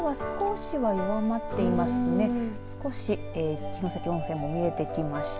少し豊崎温泉も見えてきました。